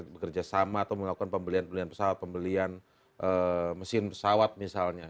bekerja sama atau melakukan pembelian pembelian pesawat pembelian mesin pesawat misalnya